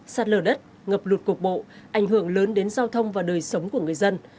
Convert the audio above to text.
sạt lở đất ngập lụt cục bộ ảnh hưởng lớn đến giao thông và đời sống của người dân